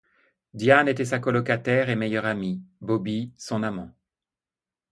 Diane était sa colocataire et meilleure amie, Bobby, son amant.